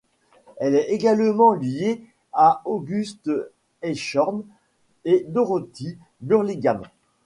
Elle est également liée avec August Aichhorn et Dorothy Burlingham.